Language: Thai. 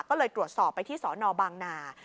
ก็เลยตรวจสอบไปที่สนบางนา